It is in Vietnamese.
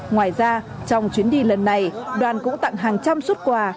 ngoài ra trong chuyến đi lần này đoàn cũng tặng hàng trăm xuất quà